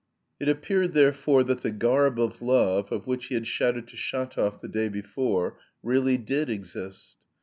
It appeared therefore that "the garb of love," of which he had shouted to Shatov the day before, really did exist.